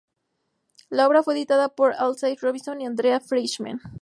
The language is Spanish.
La obra fue editada por Alastair Robinson y Andreas Fleischmann.